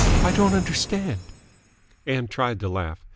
I don't understand." Ann tried to laugh.